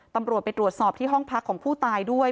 ตำรวจไปตรวจสอบที่ห้องพักของผู้ตายด้วย